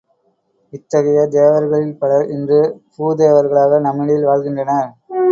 இத்தகைய தேவர்களில் பலர் இன்று பூதேவர்களாக நம்மிடையில் வாழ்கின்றனர்.